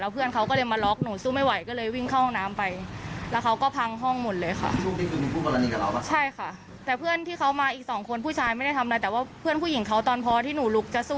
เป็นตำรวจอะไรอย่างนี้ไม่กลัวประมาณนี้ค่ะ